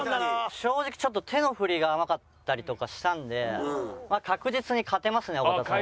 正直ちょっと手の振りが甘かったりとかしたので確実に勝てますね尾形さんに。